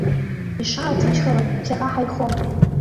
Ишааҭынчхалак ԥхьаҟа ҳаихон.